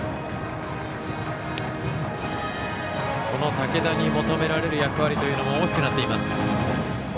竹田に求められる役割も大きくなっています。